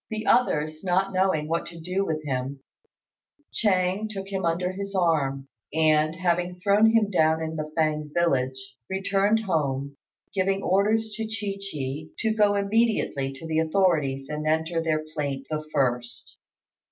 The others not knowing what to do with him, Ch'êng took him under his arm, and, having thrown him down in the Fêng village, returned home, giving orders to Chi chi to go immediately to the authorities and enter their plaint the first.